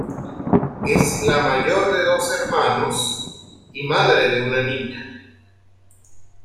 Es la mayor de dos hermanos y madre de una niña.